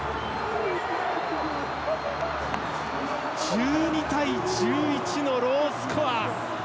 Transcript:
１２対１１のロースコア。